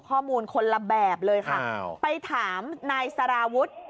ข้อมูลคนละแบบเลยค่ะไปถามนายสารวุฒิ